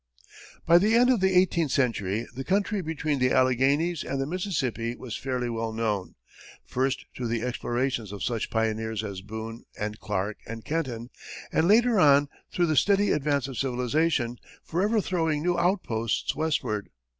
By the end of the eighteenth century, the country between the Alleghanies and the Mississippi was fairly well known, first through the explorations of such pioneers as Boone and Clark and Kenton, and, later on, through the steady advance of civilization, forever throwing new outposts westward.